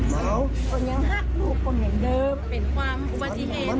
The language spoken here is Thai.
บอกอย่างว่าลูกคนเห็นเดิม